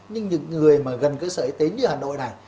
nhưng những người mà gần cơ sở y tế như hà nội này